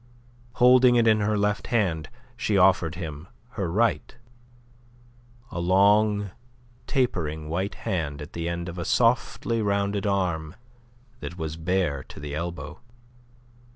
Holding it in her left hand, she offered him her right, a long, tapering, white hand at the end of a softly rounded arm that was bare to the elbow.